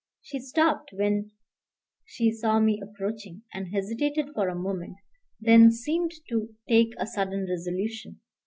She stopped when she saw me approaching, and hesitated for a moment, then seemed to take a sudden resolution.